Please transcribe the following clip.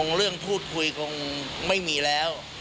เรื่องพูดคุยคงไม่มีแล้ว